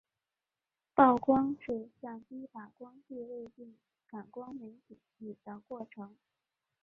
曝光是相机把光记录进感光媒体里的过程。